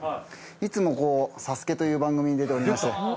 いつも『ＳＡＳＵＫＥ』という番組に出ておりまして。